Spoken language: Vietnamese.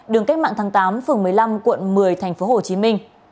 đường cách mạng tháng tám phường một mươi năm quận một mươi tp hcm